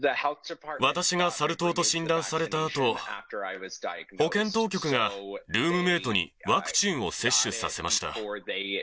私がサル痘と診断されたあと、保健当局が、ルームメートにワクチンを接種させました。